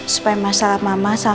supaya masalah mama